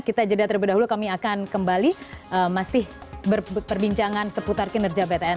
kita jeda terlebih dahulu kami akan kembali masih berbincangan seputar kinerja btn